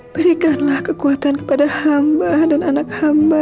berikanlah kekuatan kepada hamba dan anak hamba